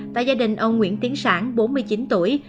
tại gia đình ông nguyễn tiến sản bốn mươi chín tuổi